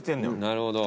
なるほど。